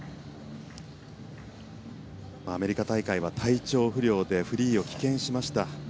アメリカ大会は体調不良でフリーを棄権しました。